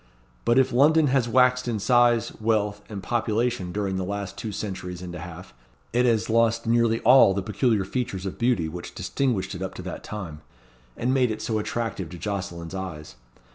But if London has waxed in size, wealth, and population during the last two centuries and a half, it has lost nearly all the peculiar features of beauty which distinguished it up to that time, and made it so attractive to Jocelyn's eyes.